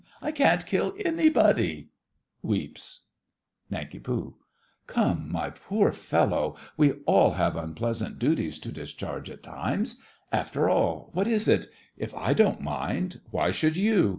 I can't kill anybody! (Weeps.) NANK. Come, my poor fellow, we all have unpleasant duties to discharge at times; after all, what is it? If I don't mind, why should you?